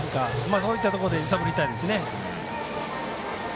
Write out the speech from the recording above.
そういったところで揺さぶりたいですね。